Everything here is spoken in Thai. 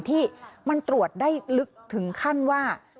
ที่มันตรวจได้ลึกถึงขั้นว่า